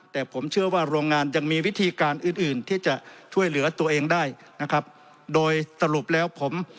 แต่ผมเชื่อว่าโรงงานยังมีวิธีการอื่นอื่นที่จะช่วยเหลือตัวเองได้นะครับโดยสรุปแล้วผม